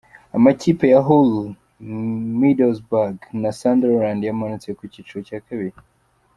Amakipe ya Hull, Middlesbrough na Sunderland yamanutse mu kiciro cya kabiri.